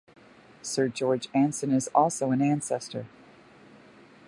Sir George Anson is also an ancestor.